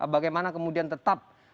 bagaimana kemudian tetap